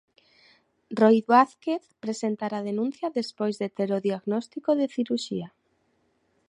Roi Vázquez presentará denuncia despois de ter o diagnóstico de cirurxía.